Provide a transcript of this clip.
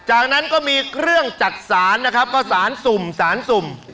จากนั้นก็มีเครื่องจัดสรรนะสารสุ่ม